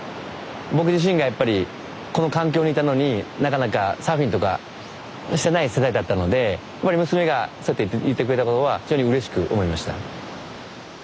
僕自身がやっぱりこの環境にいたのになかなかサーフィンとかしてない世代だったので娘がそうやって言ってくれたことは非常にうれしく思いました。